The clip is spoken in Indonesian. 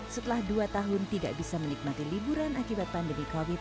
setelah dua tahun tidak bisa menikmati liburan akibat pandemi covid sembilan belas